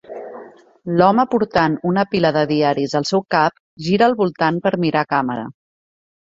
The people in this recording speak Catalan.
L'home portant una pila de diaris al seu cap gira al voltant per mirar càmera